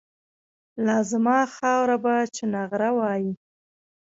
لازما خاوره به چونغره وایي